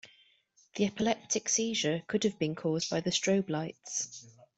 The epileptic seizure could have been cause by the strobe lights.